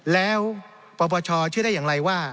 แล้วปปชเชื่อได้อย่างไรว่า